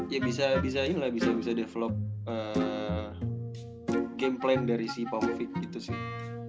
ya bisa bisa aja lah bisa bisa develop game plan dari si paufik gitu sih